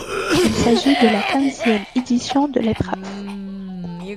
Il s'agit de la quinzième édition de l'épreuve.